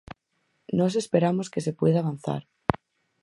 Nós esperamos que se poida avanzar.